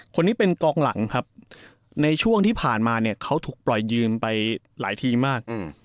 คนนี้เป็นกองหลังครับในช่วงที่ผ่านมาเนี่ยเขาถูกปล่อยยืมไปหลายทีมมาก